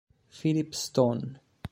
Philip Stone